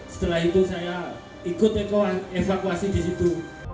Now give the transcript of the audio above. setelah itu saya ikut eko evakuasi di situ